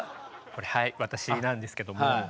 はい私なんですけども。